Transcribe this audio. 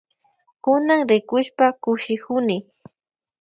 Kunan rikushpa kushikuni.